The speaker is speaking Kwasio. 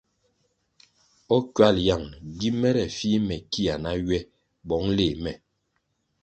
O ckywal yang gi mere fih me kia na ywe bong léh me?